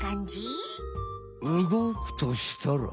うごくとしたら。